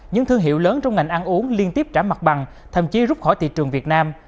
những thương hiệu lớn trong ngành ăn uống liên tiếp trả mặt bằng thậm chí rút khỏi thị trường việt nam